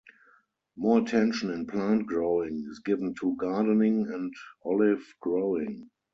More attention in plant growing is given to gardening and olive growing.